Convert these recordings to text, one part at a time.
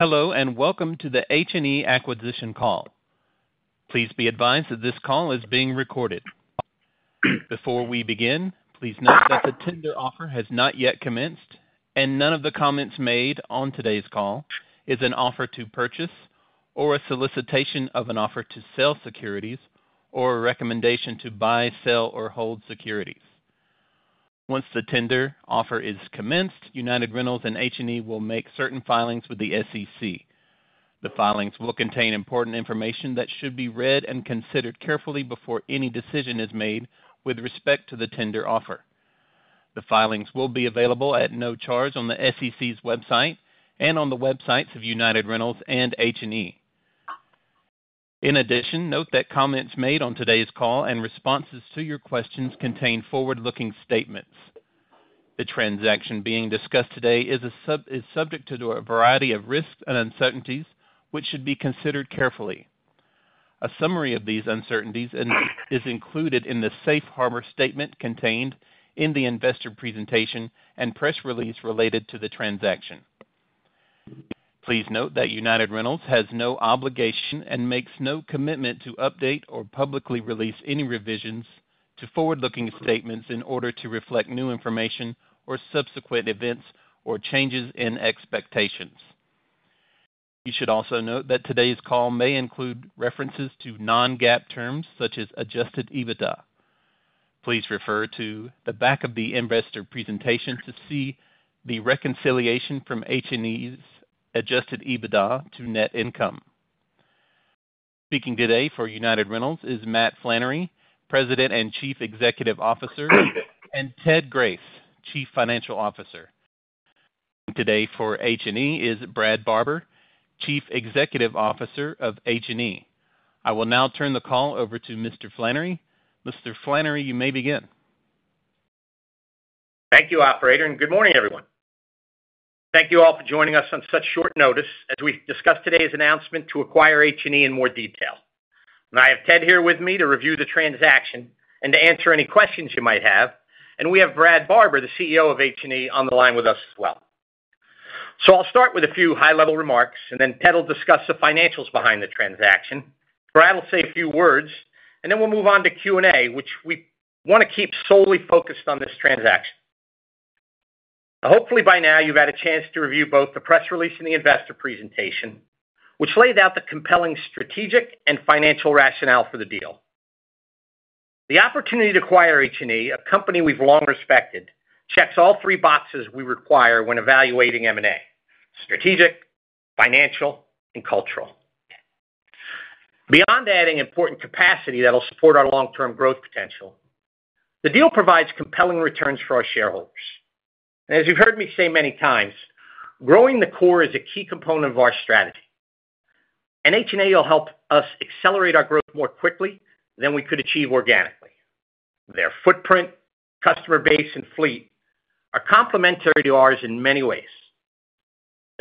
Hello, and welcome to the H&E acquisition call. Please be advised that this call is being recorded. Before we begin, please note that the tender offer has not yet commenced, and none of the comments made on today's call is an offer to purchase or a solicitation of an offer to sell securities or a recommendation to buy, sell, or hold securities. Once the tender offer is commenced, United Rentals and H&E will make certain filings with the SEC. The filings will contain important information that should be read and considered carefully before any decision is made with respect to the tender offer. The filings will be available at no charge on the SEC's website and on the websites of United Rentals and H&E. In addition, note that comments made on today's call and responses to your questions contain forward-looking statements. The transaction being discussed today is subject to a variety of risks and uncertainties, which should be considered carefully. A summary of these uncertainties is included in the safe harbor statement contained in the investor presentation and press release related to the transaction. Please note that United Rentals has no obligation and makes no commitment to update or publicly release any revisions to forward-looking statements in order to reflect new information or subsequent events or changes in expectations. You should also note that today's call may include references to non-GAAP terms such as adjusted EBITDA. Please refer to the back of the investor presentation to see the reconciliation from H&E's adjusted EBITDA to net income. Speaking today for United Rentals is Matt Flannery, President and Chief Executive Officer, and Ted Grace, Chief Financial Officer. Speaking today for H&E is Brad Barber, Chief Executive Officer of H&E. I will now turn the call over to Mr. Flannery. Mr. Flannery, you may begin. Thank you, Operator, and good morning, everyone. Thank you all for joining us on such short notice as we discuss today's announcement to acquire H&E in more detail. I have Ted here with me to review the transaction and to answer any questions you might have, and we have Brad Barber, the CEO of H&E, on the line with us as well. So I'll start with a few high-level remarks, and then Ted will discuss the financials behind the transaction. Brad will say a few words, and then we'll move on to Q&A, which we want to keep solely focused on this transaction. Hopefully, by now, you've had a chance to review both the press release and the investor presentation, which laid out the compelling strategic and financial rationale for the deal. The opportunity to acquire H&E, a company we've long respected, checks all three boxes we require when evaluating M&A: strategic, financial, and cultural. Beyond adding important capacity that'll support our long-term growth potential, the deal provides compelling returns for our shareholders. As you've heard me say many times, growing the core is a key component of our strategy, and H&E will help us accelerate our growth more quickly than we could achieve organically. Their footprint, customer base, and fleet are complementary to ours in many ways.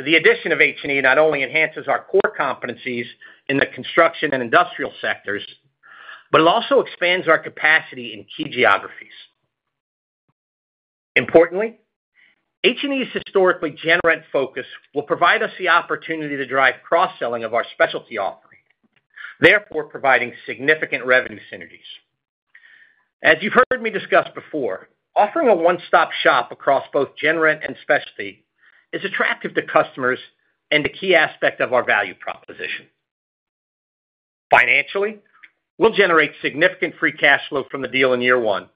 The addition of H&E not only enhances our core competencies in the construction and industrial sectors, but it also expands our capacity in key geographies. Importantly, H&E's gen rent focus will provide us the opportunity to drive cross-selling of our specialty offering, therefore providing significant revenue synergies. As you've heard me discuss before, offering a one-stop shop across gen rent and specialty is attractive to customers and a key aspect of our value proposition. Financially, we'll generate significant free cash flow from the deal in year one,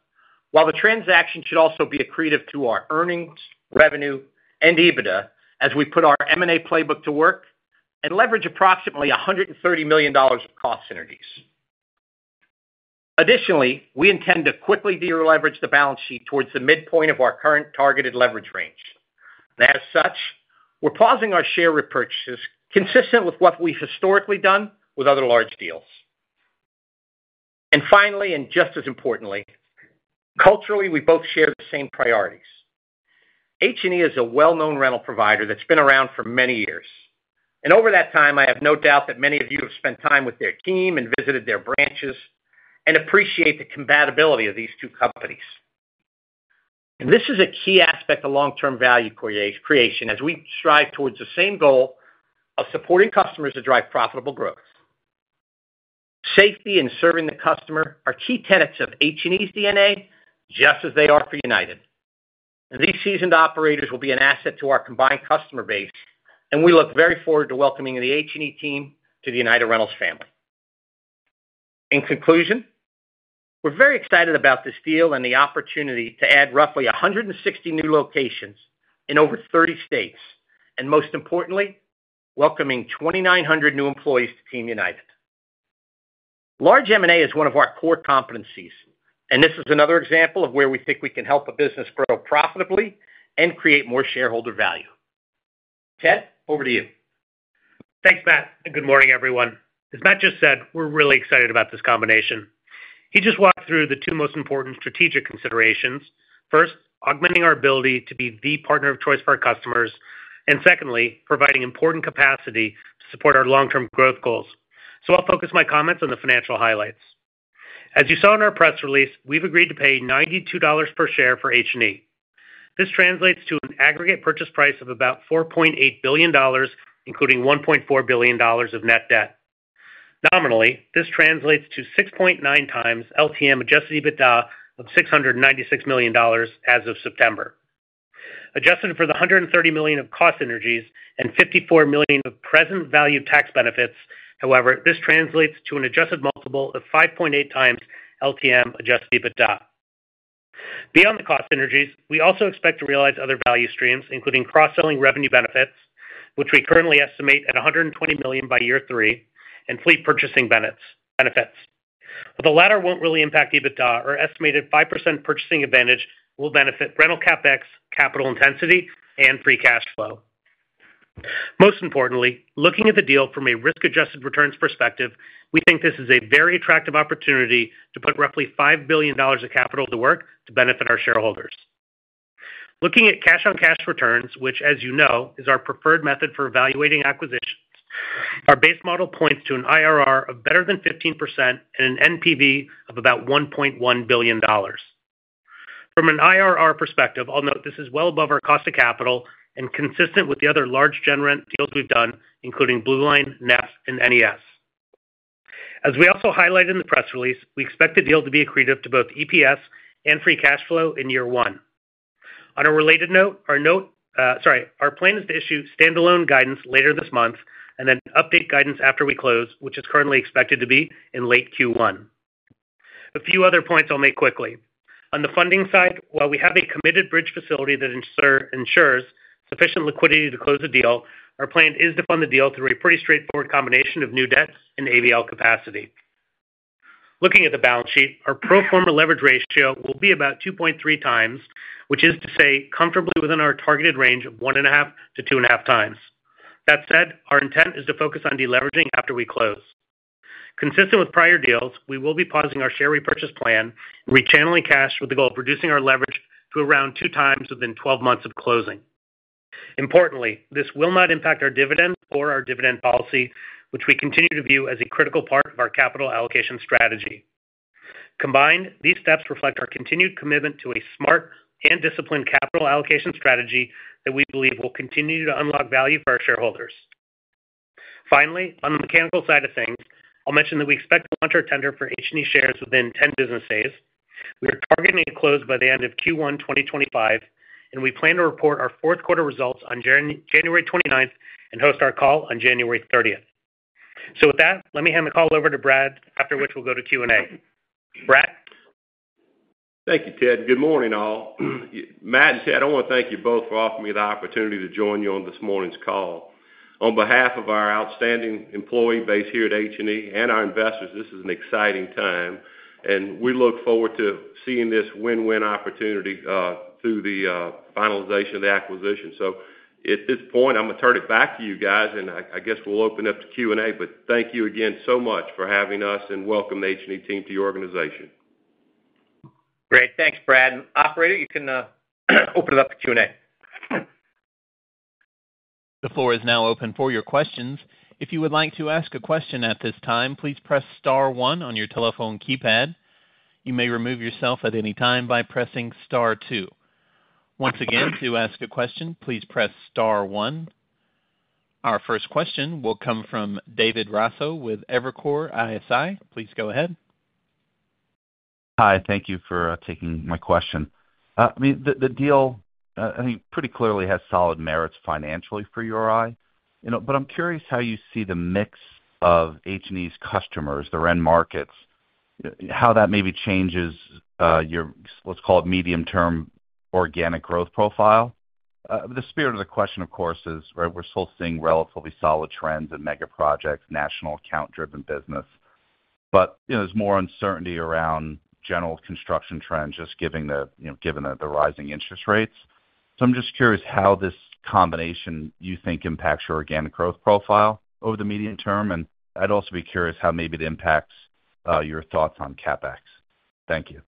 while the transaction should also be accretive to our earnings, revenue, and EBITDA as we put our M&A playbook to work and leverage approximately $130 million of cost synergies. Additionally, we intend to quickly de-leverage the balance sheet towards the midpoint of our current targeted leverage range. As such, we're pausing our share repurchases consistent with what we've historically done with other large deals. And finally, and just as importantly, culturally, we both share the same priorities. H&E is a well-known rental provider that's been around for many years, and over that time, I have no doubt that many of you have spent time with their team and visited their branches and appreciate the compatibility of these two companies. This is a key aspect of long-term value creation as we strive towards the same goal of supporting customers to drive profitable growth. Safety and serving the customer are key tenets of H&E's DNA, just as they are for United. These seasoned operators will be an asset to our combined customer base, and we look very forward to welcoming the H&E team to the United Rentals family. In conclusion, we're very excited about this deal and the opportunity to add roughly 160 new locations in over 30 states and, most importantly, welcoming 2,900 new employees to Team United. Large M&A is one of our core competencies, and this is another example of where we think we can help a business grow profitably and create more shareholder value. Ted, over to you. Thanks, Matt. And good morning, everyone. As Matt just said, we're really excited about this combination. He just walked through the two most important strategic considerations. First, augmenting our ability to be the partner of choice for our customers, and secondly, providing important capacity to support our long-term growth goals. So I'll focus my comments on the financial highlights. As you saw in our press release, we've agreed to pay $92 per share for H&E. This translates to an aggregate purchase price of about $4.8 billion, including $1.4 billion of net debt. Nominally, this translates to 6.9 times LTM adjusted EBITDA of $696 million as of September. Adjusted for the $130 million of cost synergies and $54 million of present value tax benefits, however, this translates to an adjusted multiple of 5.8 times LTM adjusted EBITDA. Beyond the cost synergies, we also expect to realize other value streams, including cross-selling revenue benefits, which we currently estimate at $120 million by year three, and fleet purchasing benefits. The latter won't really impact EBITDA. Our estimated 5% purchasing advantage will benefit rental CapEx, capital intensity, and free cash flow. Most importantly, looking at the deal from a risk-adjusted returns perspective, we think this is a very attractive opportunity to put roughly $5 billion of capital to work to benefit our shareholders. Looking at cash-on-cash returns, which, as you know, is our preferred method for evaluating acquisitions, our base model points to an IRR of better than 15% and an NPV of about $1.1 billion. From an IRR perspective, I'll note this is well above our cost of capital and consistent with the other gen rent deals we've done, including BlueLine, Neff, and NES. As we also highlighted in the press release, we expect the deal to be accretive to both EPS and free cash flow in year one. On a related note, our plan is to issue standalone guidance later this month and then update guidance after we close, which is currently expected to be in late Q1. A few other points I'll make quickly. On the funding side, while we have a committed bridge facility that ensures sufficient liquidity to close the deal, our plan is to fund the deal through a pretty straightforward combination of new debts and ABL capacity. Looking at the balance sheet, our pro forma leverage ratio will be about 2.3x, which is to say comfortably within our targeted range of 1.5x-2.5x. That said, our intent is to focus on deleveraging after we close. Consistent with prior deals, we will be pausing our share repurchase plan and re-channeling cash with the goal of reducing our leverage to around two times within 12 months of closing. Importantly, this will not impact our dividend or our dividend policy, which we continue to view as a critical part of our capital allocation strategy. Combined, these steps reflect our continued commitment to a smart and disciplined capital allocation strategy that we believe will continue to unlock value for our shareholders. Finally, on the mechanical side of things, I'll mention that we expect to launch our tender for H&E shares within 10 business days. We are targeting a close by the end of Q1 2025, and we plan to report our fourth quarter results on January 29th and host our call on January 30th. So with that, let me hand the call over to Brad, after which we'll go to Q&A. Brad? Thank you, Ted. Good morning, all. Matt and Ted, I want to thank you both for offering me the opportunity to join you on this morning's call. On behalf of our outstanding employee base here at H&E and our investors, this is an exciting time, and we look forward to seeing this win-win opportunity through the finalization of the acquisition. So at this point, I'm going to turn it back to you guys, and I guess we'll open up to Q&A, but thank you again so much for having us and welcoming the H&E team to your organization. Great. Thanks, Brad. Operator, you can open it up to Q&A. The floor is now open for your questions. If you would like to ask a question at this time, please press star one on your telephone keypad. You may remove yourself at any time by pressing star two. Once again, to ask a question, please press star one. Our first question will come from David Raso with Evercore ISI. Please go ahead. Hi. Thank you for taking my question. I mean, the deal, I think, pretty clearly has solid merits financially for URI, but I'm curious how you see the mix of H&E's customers, the rental markets, how that maybe changes your, let's call it, medium-term organic growth profile. The spirit of the question, of course, is we're still seeing relatively solid trends in mega projects, national account-driven business, but there's more uncertainty around general construction trends just given the rising interest rates. So I'm just curious how this combination you think impacts your organic growth profile over the medium term, and I'd also be curious how maybe it impacts your thoughts on CapEx. Thank you.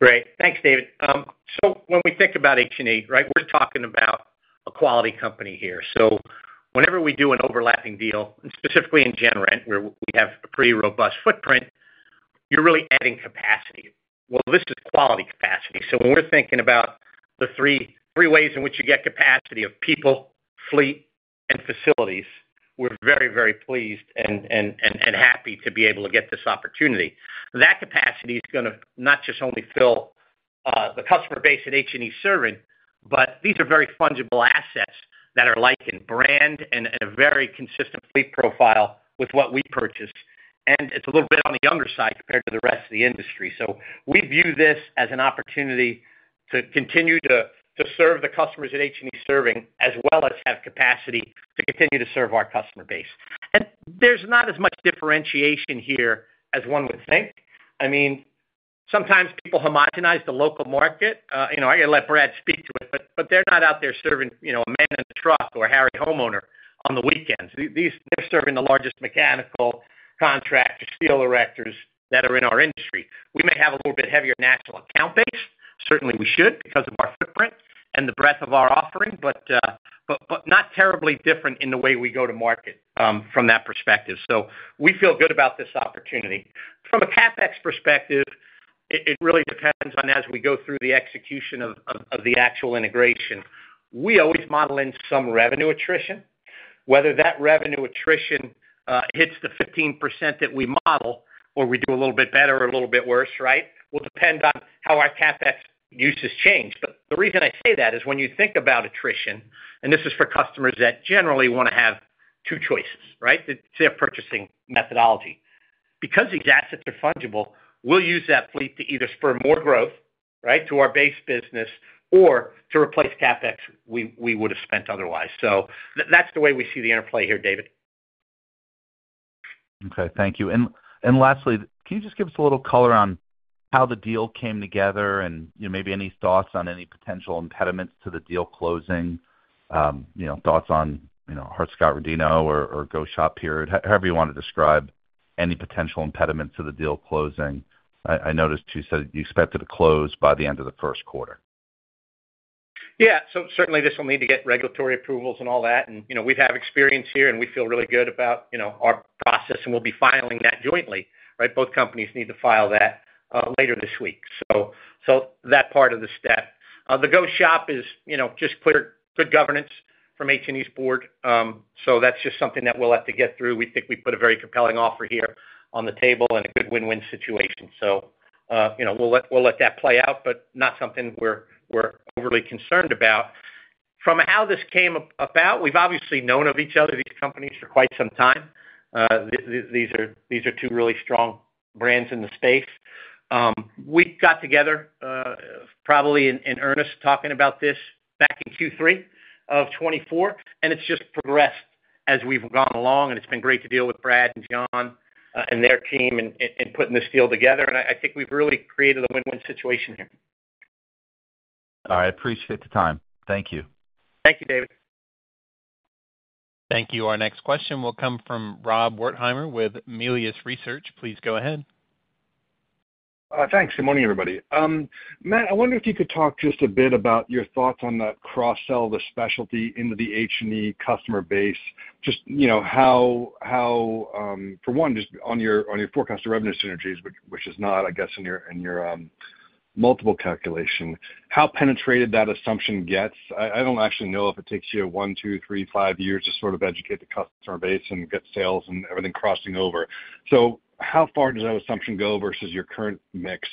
Great. Thanks, David. So when we think about H&E, we're talking about a quality company here. So whenever we do an overlapping deal, specifically gen rent, where we have a pretty robust footprint, you're really adding capacity. Well, this is quality capacity. So when we're thinking about the three ways in which you get capacity of people, fleet, and facilities, we're very, very pleased and happy to be able to get this opportunity. That capacity is going to not just only fill the customer base that H&E's serving, but these are very fungible assets that are like in brand and a very consistent fleet profile with what we purchase, and it's a little bit on the younger side compared to the rest of the industry. We view this as an opportunity to continue to serve the customers that H&E's serving as well as have capacity to continue to serve our customer base. And there's not as much differentiation here as one would think. I mean, sometimes people homogenize the local market. I got to let Brad speak to it, but they're not out there serving a man in a truck or a Harry Homeowner on the weekends. They're serving the largest mechanical contractors, steel erectors that are in our industry. We may have a little bit heavier national account base. Certainly, we should because of our footprint and the breadth of our offering, but not terribly different in the way we go to market from that perspective. We feel good about this opportunity. From a CapEx perspective, it really depends on, as we go through the execution of the actual integration. We always model in some revenue attrition. Whether that revenue attrition hits the 15% that we model or we do a little bit better or a little bit worse will depend on how our CapEx uses change. But the reason I say that is when you think about attrition, and this is for customers that generally want to have two choices to their purchasing methodology. Because these assets are fungible, we'll use that fleet to either spur more growth to our base business or to replace CapEx we would have spent otherwise. So that's the way we see the interplay here, David. Okay. Thank you. And lastly, can you just give us a little color on how the deal came together and maybe any thoughts on any potential impediments to the deal closing? Thoughts on Hart-Scott-Rodino or go-shop here, however you want to describe any potential impediments to the deal closing. I noticed you said you expected to close by the end of the first quarter. Yeah. So certainly, this will need to get regulatory approvals and all that, and we have experience here, and we feel really good about our process, and we'll be filing that jointly. Both companies need to file that later this week. So that part of the step. The go-shop is just clear good governance from H&E's board. So that's just something that we'll have to get through. We think we put a very compelling offer here on the table and a good win-win situation. So we'll let that play out, but not something we're overly concerned about. From how this came about, we've obviously known of each other, these companies, for quite some time. These are two really strong brands in the space. We got together probably in earnest talking about this back in Q3 of 2024, and it's just progressed as we've gone along, and it's been great to deal with Brad and John and their team in putting this deal together, and I think we've really created a win-win situation here. All right. Appreciate the time. Thank you. Thank you, David. Thank you. Our next question will come from Rob Wertheimer with Melius Research. Please go ahead. Thanks. Good morning, everybody. Matt, I wonder if you could talk just a bit about your thoughts on that cross-sell of the specialty into the H&E customer base, just how, for one, just on your forecast of revenue synergies, which is not, I guess, in your multiple calculation, how penetrated that assumption gets. I don't actually know if it takes you one, two, three, five years to sort of educate the customer base and get sales and everything crossing over. So how far does that assumption go versus your current mix?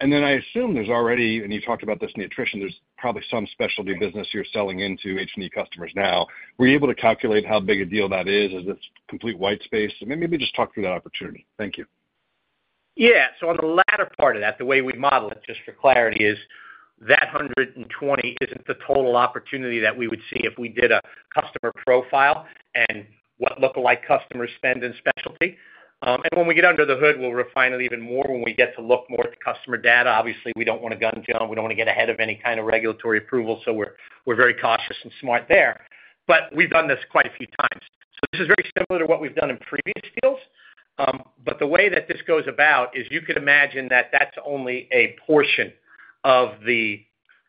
And then I assume there's already, and you talked about this in the attrition, there's probably some specialty business you're selling into H&E customers now. Were you able to calculate how big a deal that is? Is it complete white space? Maybe just talk through that opportunity. Thank you. Yeah. So on the latter part of that, the way we model it, just for clarity, is that 120 isn't the total opportunity that we would see if we did a customer profile and what look-alike customers spend in specialty. And when we get under the hood, we'll refine it even more when we get to look more at the customer data. Obviously, we don't want to jump the gun. We don't want to get ahead of any kind of regulatory approval, so we're very cautious and smart there. But we've done this quite a few times. So this is very similar to what we've done in previous deals, but the way that this goes about is you could imagine that that's only a portion of the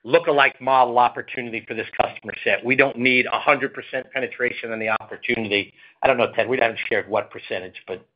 look-alike model opportunity for this customer set. We don't need 100% penetration in the opportunity. I don't know, Ted. We haven't shared what percentage, but.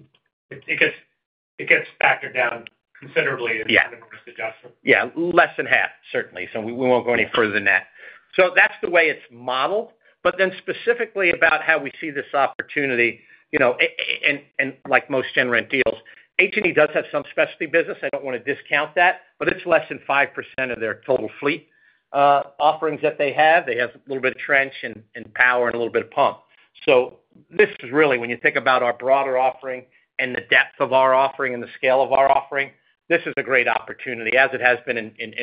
It gets factored down considerably in the reverse adjustment. Yeah. Less than half, certainly. So we won't go any further than that. So that's the way it's modeled. But then specifically about how we see this opportunity, and like gen rent deals, H&E does have some specialty business. I don't want to discount that, but it's less than 5% of their total fleet offerings that they have. They have a little bit of trench and power and a little bit of pump. So this is really, when you think about our broader offering and the depth of our offering and the scale of our offering, this is a great opportunity as it has been in gen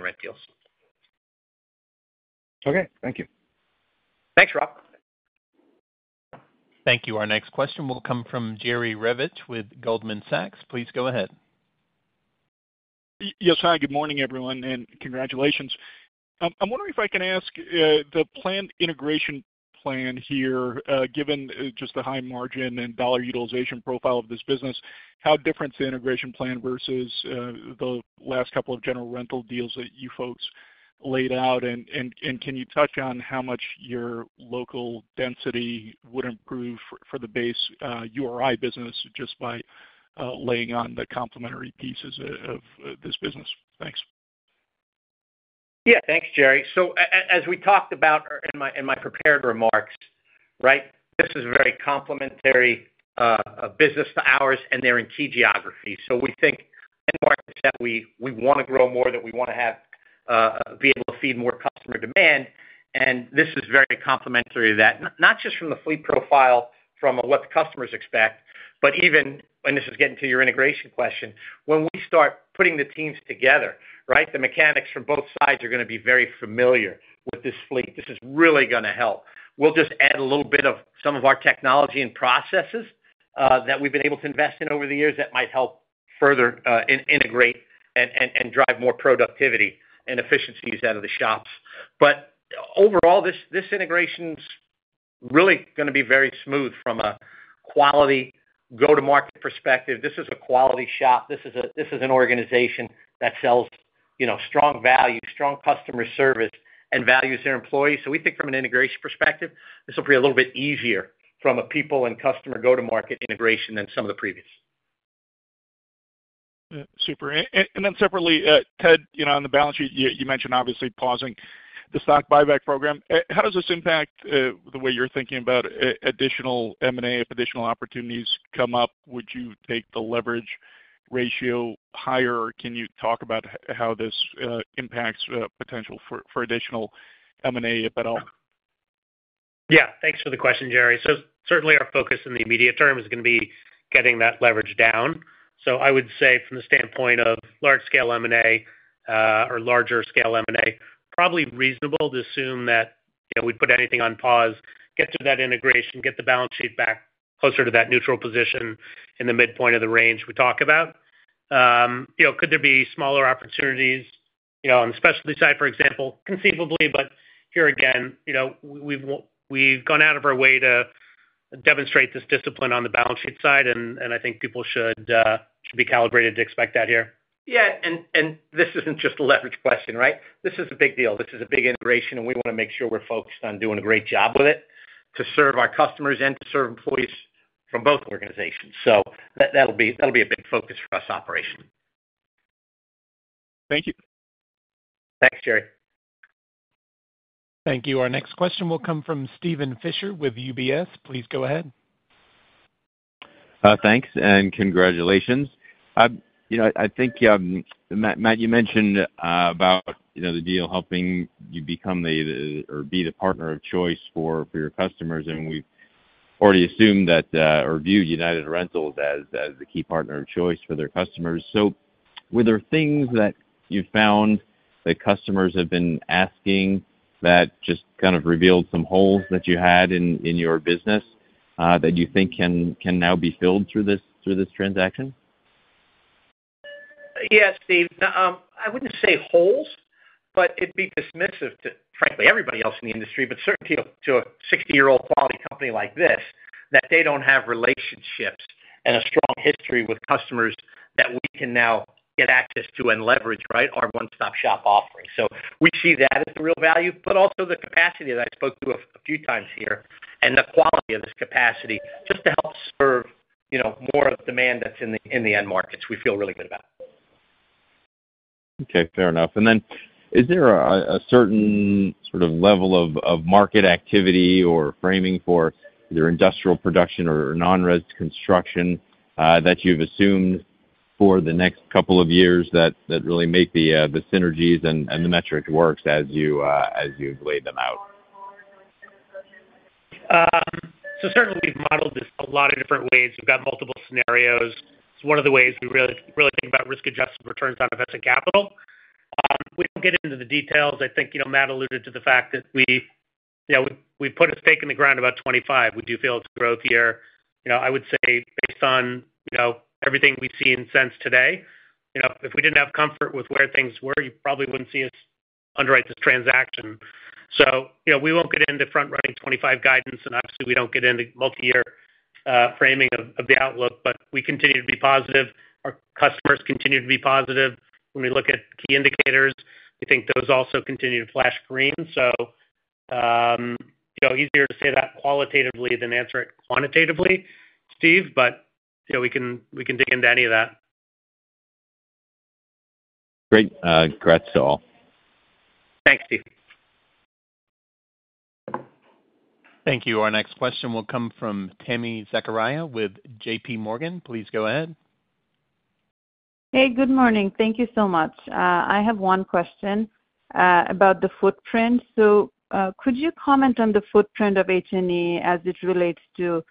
rent deals. Okay. Thank you. Thanks, Rob. Thank you. Our next question will come from Jerry Revich with Goldman Sachs. Please go ahead. Yes, hi. Good morning, everyone, and congratulations. I'm wondering if I can ask the planned integration plan here, given just the high margin and dollar utilization profile of this business, how different is the integration plan versus the last couple of general rental deals that you folks laid out? And can you touch on how much your local density would improve for the base URI business just by laying on the complementary pieces of this business? Thanks. Yeah. Thanks, Jerry. So as we talked about in my prepared remarks, this is a very complementary business to ours, and they're in key geography. So we think in markets that we want to grow more, that we want to be able to feed more customer demand, and this is very complementary to that, not just from the fleet profile, from what the customers expect, but even, and this is getting to your integration question, when we start putting the teams together, the mechanics from both sides are going to be very familiar with this fleet. This is really going to help. We'll just add a little bit of some of our technology and processes that we've been able to invest in over the years that might help further integrate and drive more productivity and efficiencies out of the shops. But overall, this integration's really going to be very smooth from a quality go-to-market perspective. This is a quality shop. This is an organization that sells strong value, strong customer service, and values their employees. So we think from an integration perspective, this will be a little bit easier from a people and customer go-to-market integration than some of the previous. Super. And then separately, Ted, on the balance sheet, you mentioned obviously pausing the stock buyback program. How does this impact the way you're thinking about additional M&A? If additional opportunities come up, would you take the leverage ratio higher, or can you talk about how this impacts potential for additional M&A, if at all? Yeah. Thanks for the question, Jerry. So certainly, our focus in the immediate term is going to be getting that leverage down. So I would say from the standpoint of large-scale M&A or larger-scale M&A, probably reasonable to assume that we'd put anything on pause, get to that integration, get the balance sheet back closer to that neutral position in the midpoint of the range we talk about. Could there be smaller opportunities on the specialty side, for example? Conceivably, but here again, we've gone out of our way to demonstrate this discipline on the balance sheet side, and I think people should be calibrated to expect that here. Yeah. And this isn't just a leverage question. This is a big deal. This is a big integration, and we want to make sure we're focused on doing a great job with it to serve our customers and to serve employees from both organizations. So that'll be a big focus for us operationally. Thank you. Thanks, Jerry. Thank you. Our next question will come from Steven Fisher with UBS. Please go ahead. Thanks, and congratulations. I think, Matt, you mentioned about the deal helping you become or be the partner of choice for your customers, and we've already assumed that or viewed United Rentals as the key partner of choice for their customers. So were there things that you found that customers have been asking that just kind of revealed some holes that you had in your business that you think can now be filled through this transaction? Yes, Steve. I wouldn't say holes, but it'd be dismissive to, frankly, everybody else in the industry, but certainly to a 60-year-old quality company like this that they don't have relationships and a strong history with customers that we can now get access to and leverage our one-stop shop offering. So we see that as the real value, but also the capacity that I spoke to a few times here and the quality of this capacity just to help serve more of the demand that's in the end markets we feel really good about. Okay. Fair enough, and then is there a certain sort of level of market activity or framing for either industrial production or non-res construction that you've assumed for the next couple of years that really make the synergies and the metrics work as you've laid them out? Certainly, we've modeled this a lot of different ways. We've got multiple scenarios. It's one of the ways we really think about risk-adjusted returns on invested capital. We don't get into the details. I think Matt alluded to the fact that we put a stake in the ground about 2025. We do feel it's a growth year. I would say based on everything we've seen since today, if we didn't have comfort with where things were, you probably wouldn't see us underwrite this transaction. We won't get into front-running 2025 guidance, and obviously, we don't get into multi-year framing of the outlook, but we continue to be positive. Our customers continue to be positive. When we look at key indicators, we think those also continue to flash green. Easier to say that qualitatively than answer it quantitatively, Steve, but we can dig into any of that. Great. Congrats to all. Thanks, Steve. Thank you. Our next question will come from Tami Zakaria with JPMorgan. Please go ahead. Hey, good morning. Thank you so much. I have one question about the footprint. So could you comment on the footprint of H&E as it relates to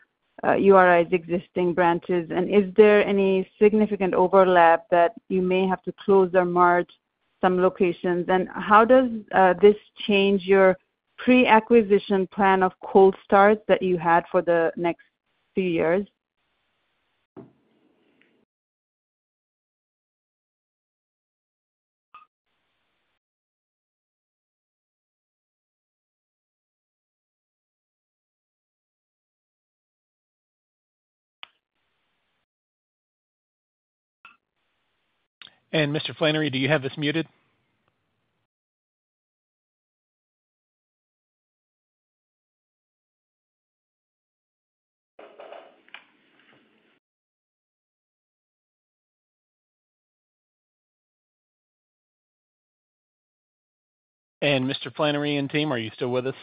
URI's existing branches, and is there any significant overlap that you may have to close or merge some locations? And how does this change your pre-acquisition plan of cold starts that you had for the next few years? Mr. Flannery, do you have this muted? And Mr. Flannery and team, are you still with us?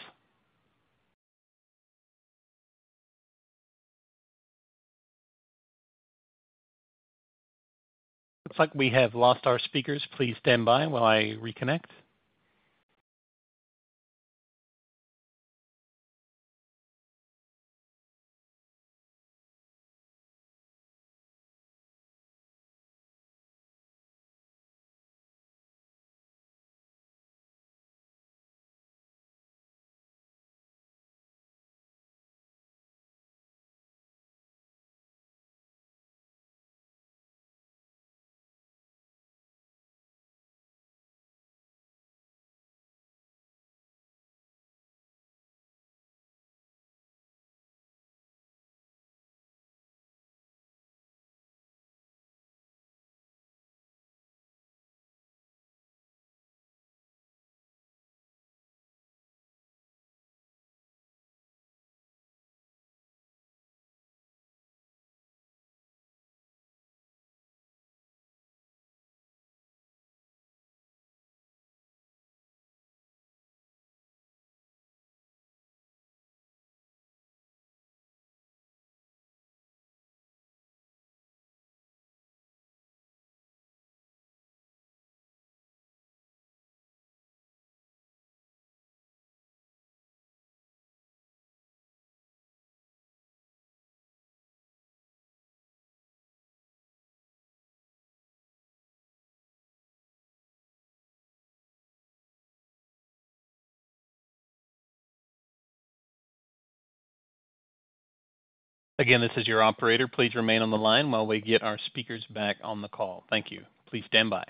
Looks like we have lost our speakers. Please stand by while I reconnect. Again, this is your operator. Please remain on the line while we get our speakers back on the call. Thank you. Please stand by.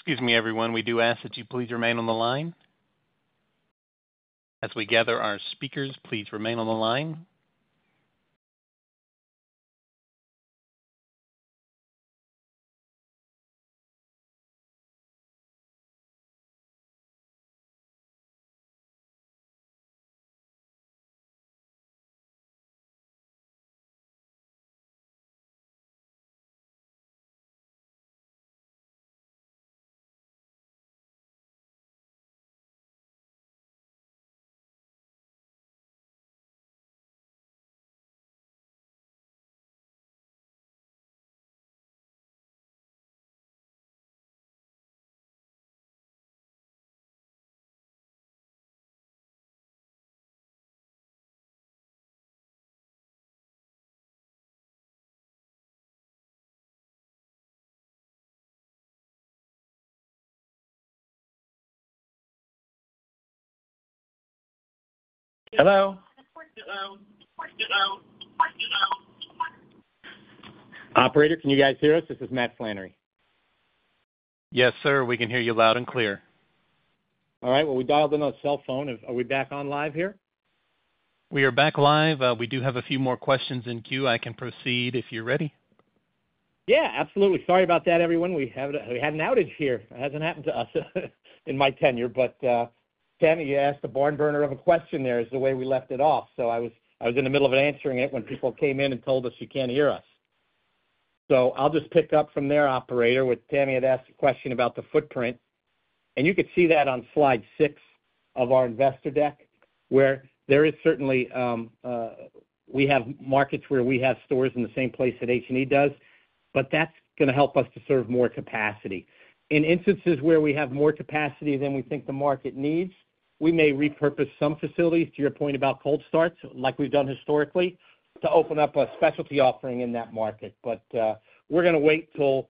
Excuse me, everyone. We do ask that you please remain on the line as we gather our speakers. Please remain on the line. Hello. Can you guys hear us? This is Matt Flannery. Yes, sir. We can hear you loud and clear. All right. Well, we dialed in on cell phone. Are we back on live here? We are back live. We do have a few more questions in queue. I can proceed if you're ready. Yeah. Absolutely. Sorry about that, everyone. We had an outage here. It hasn't happened to us in my tenure, but Tami, you asked the barn burner of a question there. That is the way we left it off, so I was in the middle of answering it when people came in and told us you can't hear us, so I'll just pick up from there, Operator, where Tami had asked a question about the footprint. You could see that on slide six of our investor deck, where there is certainly, we have markets where we have stores in the same place that H&E does, but that's going to help us to serve more capacity. In instances where we have more capacity than we think the market needs, we may repurpose some facilities, to your point about cold starts, like we've done historically, to open up a specialty offering in that market. But we're going to wait till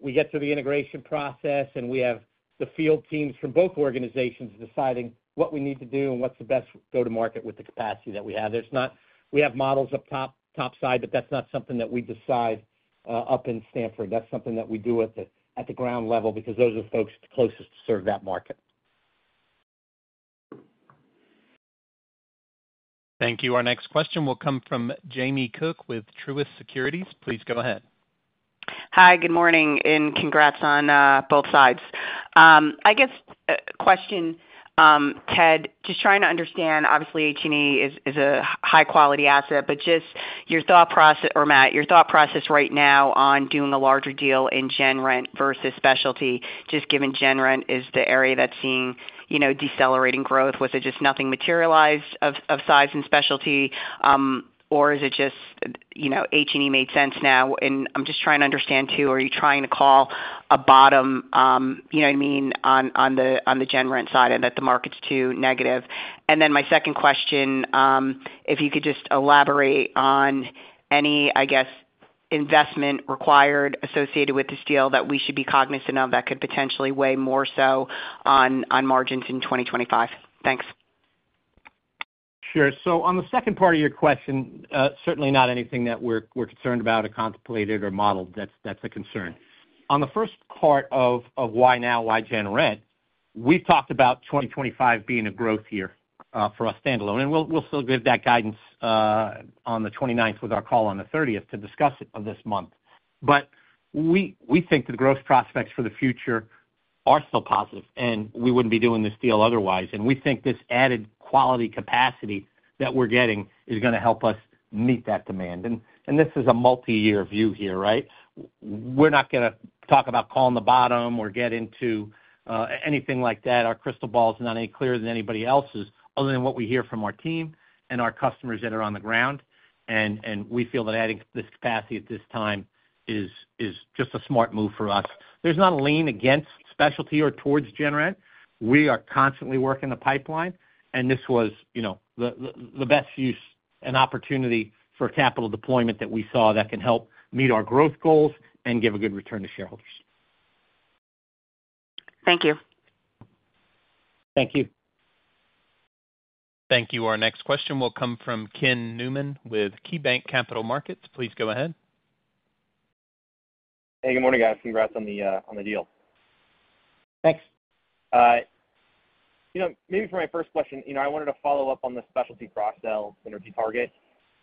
we get to the integration process, and we have the field teams from both organizations deciding what we need to do and what's the best go-to-market with the capacity that we have. We have models up topside, but that's not something that we decide up in Stamford. That's something that we do at the ground level because those are the folks closest to serve that market. Thank you. Our next question will come from Jamie Cook with Truist Securities. Please go ahead. Hi. Good morning, and congrats on both sides. I guess a question, Ted, just trying to understand, obviously, H&E is a high-quality asset, but just your thought process, or Matt, your thought process right now on doing a larger deal in gen rent versus specialty, just given gen rent is the area that's seeing decelerating growth. Was it just nothing materialized of size and specialty, or is it just H&E made sense now? And I'm just trying to understand, too, are you trying to call a bottom, you know what I mean, on the gen rent side and that the market's too negative? And then my second question, if you could just elaborate on any, I guess, investment required associated with this deal that we should be cognizant of that could potentially weigh more so on margins in 2025. Thanks. Sure, so on the second part of your question, certainly not anything that we're concerned about or contemplated or modeled that's a concern. On the first part of why now, gen rent, we've talked about 2025 being a growth year for us standalone, and we'll still give that guidance on the 29th with our call on the 30th to discuss it this month, but we think the growth prospects for the future are still positive, and we wouldn't be doing this deal otherwise, and we think this added quality capacity that we're getting is going to help us meet that demand, and this is a multi-year view here, right? We're not going to talk about calling the bottom or get into anything like that. Our crystal ball is not any clearer than anybody else's other than what we hear from our team and our customers that are on the ground. And we feel that adding this capacity at this time is just a smart move for us. There's not a lean against specialty or towards gen rent. We are constantly working the pipeline, and this was the best use and opportunity for capital deployment that we saw that can help meet our growth goals and give a good return to shareholders. Thank you. Thank you. Thank you. Our next question will come from Ken Newman with KeyBanc Capital Markets. Please go ahead. Hey, good morning, guys. Congrats on the deal. Thanks. Maybe for my first question, I wanted to follow up on the specialty cross-sell synergy target.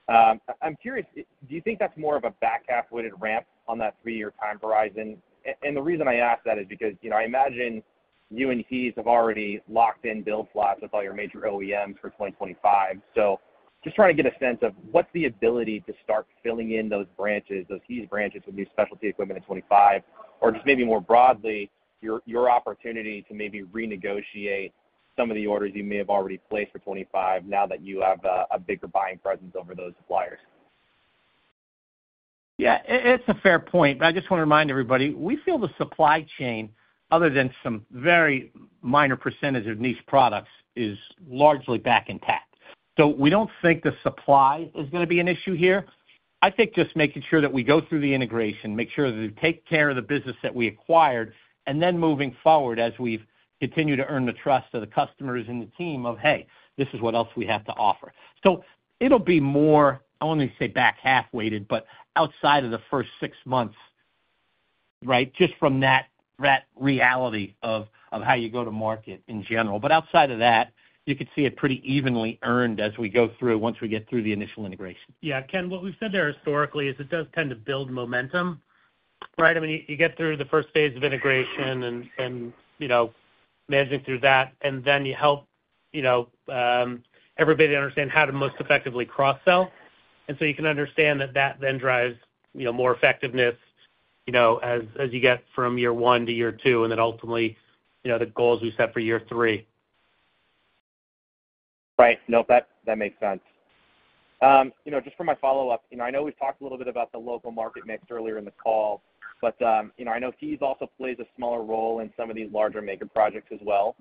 I'm curious, do you think that's more of a back half-weighted ramp on that three-year time horizon? And the reason I ask that is because I imagine you and H&E have already locked in build slots with all your major OEMs for 2025. So just trying to get a sense of what's the ability to start filling in those branches, those H&E branches with new specialty equipment in 2025, or just maybe more broadly, your opportunity to maybe renegotiate some of the orders you may have already placed for 2025 now that you have a bigger buying presence over those suppliers? Yeah. It's a fair point, but I just want to remind everybody we feel the supply chain, other than some very minor percentage of niche products, is largely back intact. So we don't think the supply is going to be an issue here. I think just making sure that we go through the integration, make sure that we take care of the business that we acquired, and then moving forward as we've continued to earn the trust of the customers and the team of, "Hey, this is what else we have to offer." So it'll be more, I won't even say back half-weighted, but outside of the first six months, right, just from that reality of how you go to market in general. But outside of that, you could see it pretty evenly earned as we go through once we get through the initial integration. Yeah. Ken, what we've said there historically is it does tend to build momentum, right? I mean, you get through the first phase of integration and managing through that, and then you help everybody understand how to most effectively cross-sell. And so you can understand that that then drives more effectiveness as you get from year one to year two and then ultimately the goals we set for year three. Right. Nope. That makes sense. Just for my follow-up, I know we've talked a little bit about the local market mix earlier in the call, but I know HEES also plays a smaller role in some of these larger mega projects as well.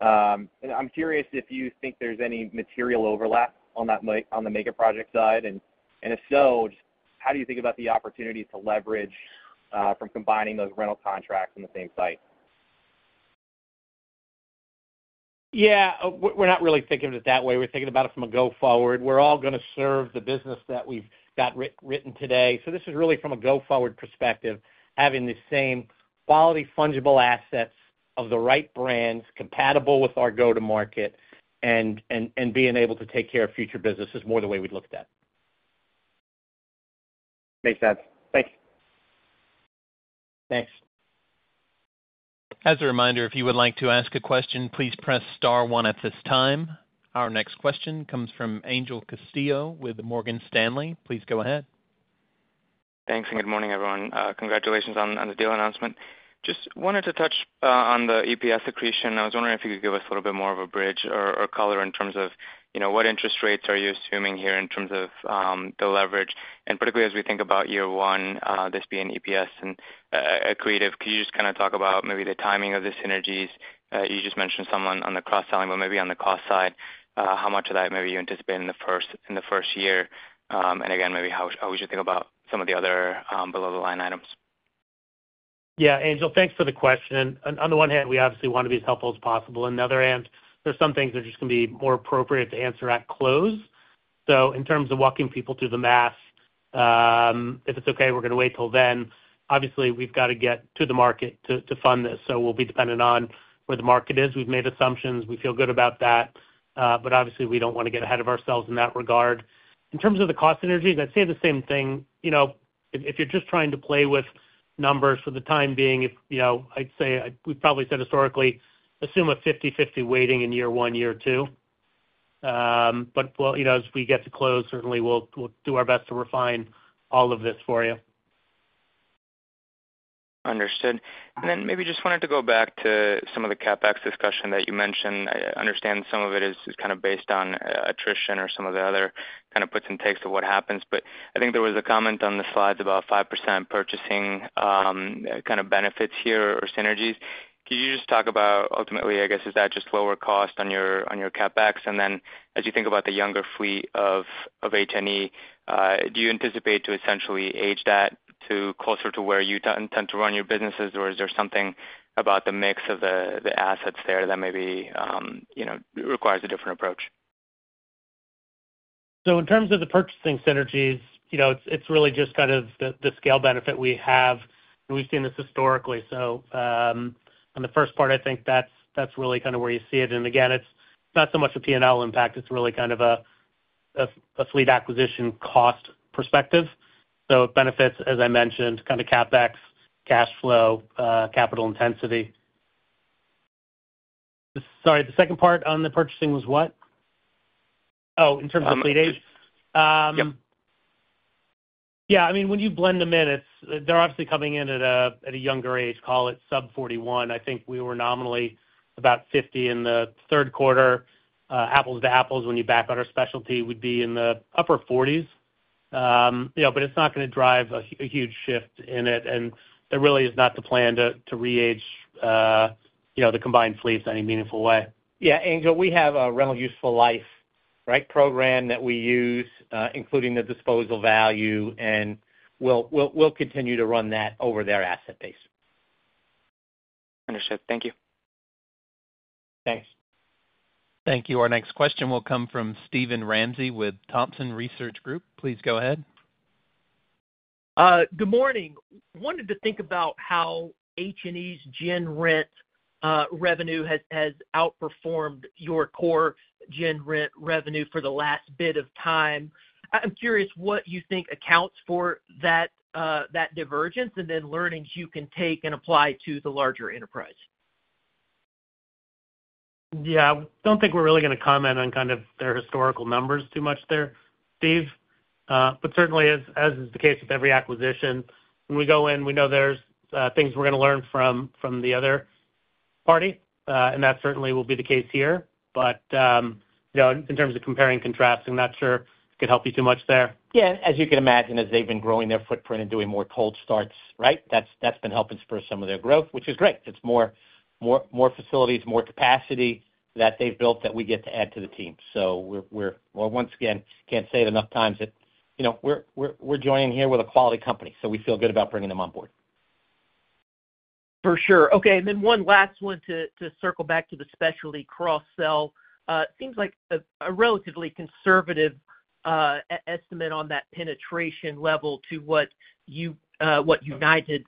And I'm curious if you think there's any material overlap on the mega project side. And if so, how do you think about the opportunity to leverage from combining those rental contracts in the same site? Yeah. We're not really thinking of it that way. We're thinking about it from a go-forward. We're all going to serve the business that we've got written today. So this is really from a go-forward perspective, having the same quality fungible assets of the right brands compatible with our go-to-market and being able to take care of future business is more the way we'd look at that. Makes sense. Thanks. Thanks. As a reminder, if you would like to ask a question, please press star one at this time. Our next question comes from Angel Castillo with Morgan Stanley. Please go ahead. Thanks. And good morning, everyone. Congratulations on the deal announcement. Just wanted to touch on the EPS accretion. I was wondering if you could give us a little bit more of a bridge or color in terms of what interest rates are you assuming here in terms of the leverage. And particularly as we think about year one, this being EPS and accretive, could you just kind of talk about maybe the timing of the synergies? You just mentioned someone on the cross-selling, but maybe on the cost side, how much of that maybe you anticipate in the first year? And again, maybe how would you think about some of the other below-the-line items? Yeah. Angel, thanks for the question. On the one hand, we obviously want to be as helpful as possible. On the other hand, there are some things that are just going to be more appropriate to answer at close. So in terms of walking people through the math, if it's okay, we're going to wait till then. Obviously, we've got to get to the market to fund this. So we'll be dependent on where the market is. We've made assumptions. We feel good about that. But obviously, we don't want to get ahead of ourselves in that regard. In terms of the cost synergies, I'd say the same thing. If you're just trying to play with numbers for the time being, I'd say we've probably said historically, assume a 50/50 weighting in year one, year two. But as we get to close, certainly, we'll do our best to refine all of this for you. Understood. And then maybe just wanted to go back to some of the CapEx discussion that you mentioned. I understand some of it is kind of based on attrition or some of the other kind of puts and takes of what happens. But I think there was a comment on the slides about 5% purchasing kind of benefits here or synergies. Could you just talk about ultimately, I guess, is that just lower cost on your CapEx? And then as you think about the younger fleet of H&E, do you anticipate to essentially age that to closer to where you tend to run your businesses, or is there something about the mix of the assets there that maybe requires a different approach? So in terms of the purchasing synergies, it's really just kind of the scale benefit we have. And we've seen this historically. So on the first part, I think that's really kind of where you see it. And again, it's not so much a P&L impact. It's really kind of a fleet acquisition cost perspective. So it benefits, as I mentioned, kind of CapEx, cash flow, capital intensity. Sorry, the second part on the purchasing was what? Oh, in terms of fleet age? Yep. Yeah. I mean, when you blend them in, they're obviously coming in at a younger age, call it sub-41. I think we were nominally about 50 in the third quarter. Apples to apples, when you back out our specialty, would be in the upper 40s. But it's not going to drive a huge shift in it. And there really is not the plan to re-age the combined fleets in any meaningful way. Yeah. Angel, we have a rental useful life, right, program that we use, including the disposal value, and we'll continue to run that over their asset base. Understood. Thank you. Thanks. Thank you. Our next question will come from Steven Ramsey with Thompson Research Group. Please go ahead. Good morning. Wanted to think about how H&E's gen rent revenue has outperformed your core gen rent revenue for the last bit of time. I'm curious what you think accounts for that divergence and then learnings you can take and apply to the larger enterprise. Yeah. I don't think we're really going to comment on kind of their historical numbers too much there, Steve. But certainly, as is the case with every acquisition, when we go in, we know there's things we're going to learn from the other party. And that certainly will be the case here. But in terms of comparing and contrasting, I'm not sure it could help you too much there. Yeah. As you can imagine, as they've been growing their footprint and doing more cold starts, right, that's been helping spur some of their growth, which is great. It's more facilities, more capacity that they've built that we get to add to the team. So we're, once again, can't say it enough times that we're joining here with a quality company. So we feel good about bringing them on board. For sure. Okay. And then one last one to circle back to the specialty cross-sell. It seems like a relatively conservative estimate on that penetration level to what United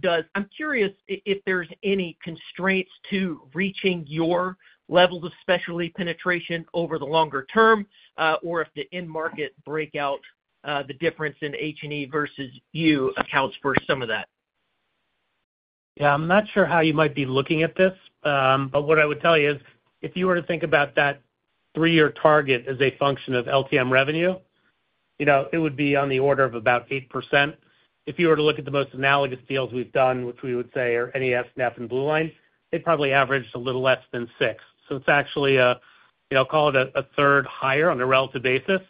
does. I'm curious if there's any constraints to reaching your levels of specialty penetration over the longer term, or if the end market breakout, the difference in H&E versus you accounts for some of that? Yeah. I'm not sure how you might be looking at this, but what I would tell you is if you were to think about that three-year target as a function of LTM revenue, it would be on the order of about 8%. If you were to look at the most analogous deals we've done, which we would say are an NES and BlueLine, they probably averaged a little less than 6%. So it's actually, I'll call it a third higher on a relative basis.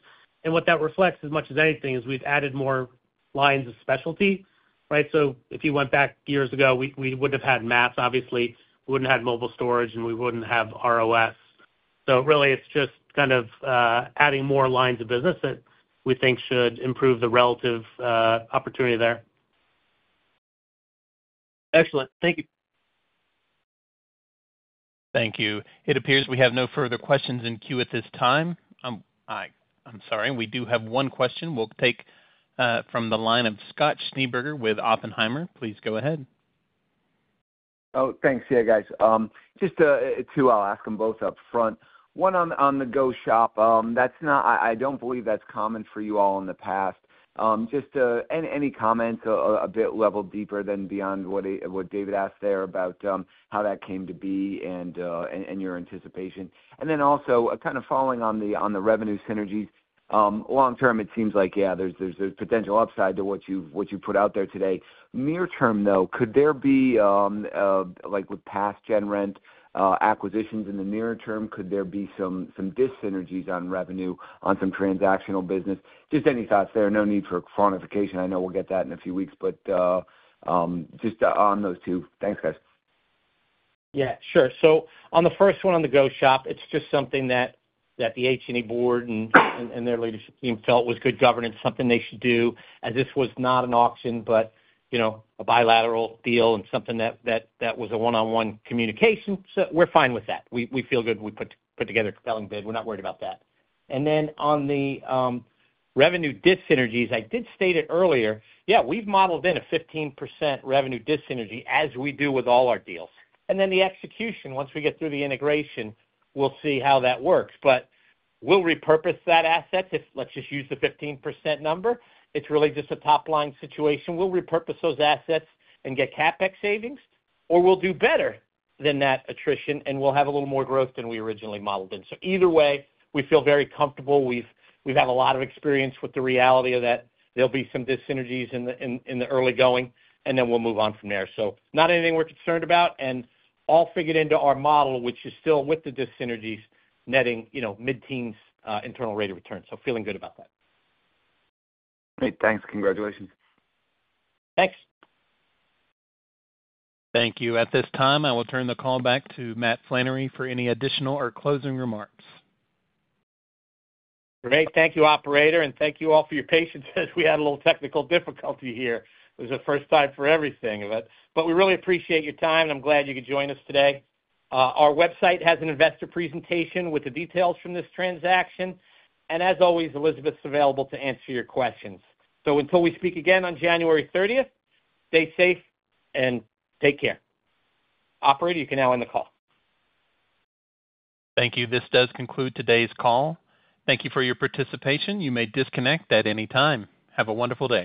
And what that reflects as much as anything is we've added more lines of specialty, right? So if you went back years ago, we wouldn't have had mats, obviously. We wouldn't have had mobile storage, and we wouldn't have ROS. So really, it's just kind of adding more lines of business that we think should improve the relative opportunity there. Excellent. Thank you. Thank you. It appears we have no further questions in queue at this time. I'm sorry. We do have one question. We'll take from the line of Scott Schneeberger with Oppenheimer. Please go ahead. Oh, thanks. Yeah, guys. Just two, I'll ask them both up front. One on the go-shop, I don't believe that's common for you all in the past. Just any comments a bit level deeper than beyond what David asked there about how that came to be and your anticipation. And then also, kind of following on the revenue synergies, long-term, it seems like, yeah, there's potential upside to what you put out there today. Near-term, though, could there be, with gen rent acquisitions in the near term, could there be some dis-synergies on revenue on some transactional business? Just any thoughts there? No need for quantification. I know we'll get that in a few weeks, but just on those two. Thanks, guys. Yeah. Sure. On the first one on the go-shop, it's just something that the H&E board and their leadership team felt was good governance, something they should do, as this was not an auction, but a bilateral deal and something that was a one-on-one communication. So we're fine with that. We feel good we put together a compelling bid. We're not worried about that. And then on the revenue dis-synergies, I did state it earlier. Yeah, we've modeled in a 15% revenue dis-synergy as we do with all our deals. And then the execution, once we get through the integration, we'll see how that works. But we'll repurpose that asset if let's just use the 15% number. It's really just a top-line situation. We'll repurpose those assets and get CapEx savings, or we'll do better than that attrition, and we'll have a little more growth than we originally modeled in. So either way, we feel very comfortable. We've had a lot of experience with the reality of that. There'll be some dis-synergies in the early going, and then we'll move on from there. So not anything we're concerned about. And all figured into our model, which is still with the dis-synergies, netting mid-teens internal rate of return. So feeling good about that. Great. Thanks. Congratulations. Thanks. Thank you. At this time, I will turn the call back to Matt Flannery for any additional or closing remarks. Great. Thank you, operator. And thank you all for your patience as we had a little technical difficulty here. It was the first time for everything. But we really appreciate your time, and I'm glad you could join us today. Our website has an investor presentation with the details from this transaction. And as always, Elizabeth's available to answer your questions. So until we speak again on January 30th, stay safe and take care. Operator, you can now end the call. Thank you. This does conclude today's call. Thank you for your participation. You may disconnect at any time. Have a wonderful day.